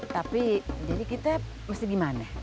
tapi jadi kita mesti gimana